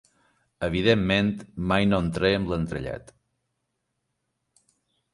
Evidentment, mai no en trèiem l'entrellat.